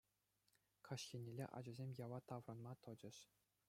Каҫ еннелле ачасем яла таврӑнма тӑчӗҫ.